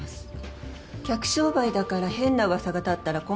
客商売だから変な噂が立ったら困るんです。